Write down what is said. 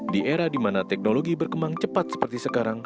di era di mana teknologi berkembang cepat seperti sekarang